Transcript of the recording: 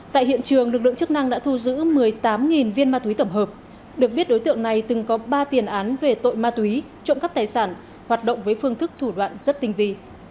tại hiện trường lực lượng chức năng đã thu giữ một mươi tám viên ma túy tổng hợp được biết đối tượng này từng có ba tiền án về tội ma túy trộm cắp tài sản hoạt động với phương thức thủ đoạn rất tinh vi